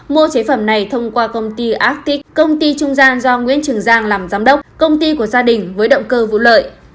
mua chế phẩm này thông qua công ty công ty trung gian do nguyễn trường giang làm giám đốc công ty của gia đình với động cơ vũ lợi